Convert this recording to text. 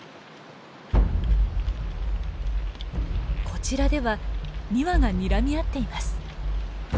こちらでは２羽がにらみ合っています。